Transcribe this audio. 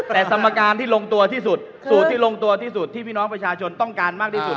แต่สมการที่ลงตัวที่สุดสูตรที่ลงตัวที่สุดที่พี่น้องประชาชนต้องการมากที่สุด